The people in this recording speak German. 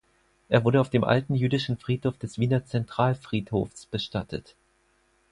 Er wurde auf dem alten jüdischen Friedhof des Wiener Zentralfriedhofs bestattet.